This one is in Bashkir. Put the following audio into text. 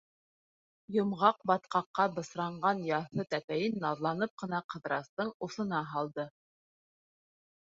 Йомғаҡ батҡаҡҡа бысранған яҫы тәпәйен наҙланып ҡына Ҡыҙырастың усына һалды.